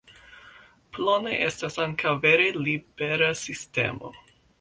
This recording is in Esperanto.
Plone estas ankaŭ vere libera sistemo.